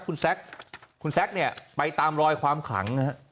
คุณแซคคุณแซคเนี่ยไปตามรอยความขลังนะฮะ